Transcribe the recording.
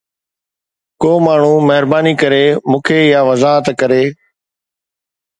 ڪو ماڻهو مهرباني ڪري مون کي اها وضاحت ڪري